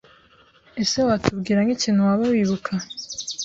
Ese watubwira nk’ikintu waba wibuka